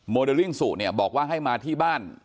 โมเดลลิ่งสุเนี่ยบอกว่าให้มาที่บ้าน